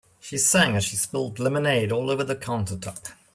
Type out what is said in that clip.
She sang as she spilled lemonade all over the countertop.